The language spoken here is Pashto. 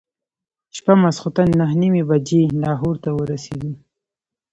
شپه ماخوستن نهه نیمې بجې لاهور ته ورسېدو.